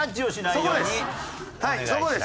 そこです。